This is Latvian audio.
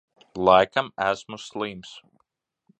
Laikam esmu slims.